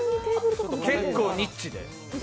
結構ニッチで。